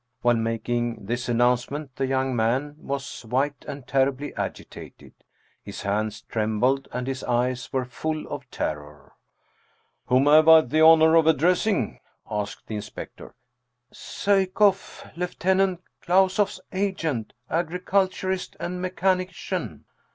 While making this an nouncement the young man was white and terribly agi tated. His hands trembled and his eyes were full of terror. " Whom have I the honor of addressing? " asked the in spector. " Psyekoff, Lieutenant KlausofFs agent ; agriculturist and mechanician